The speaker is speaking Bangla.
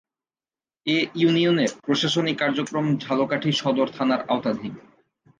এ ইউনিয়নের প্রশাসনিক কার্যক্রম ঝালকাঠি সদর থানার আওতাধীন।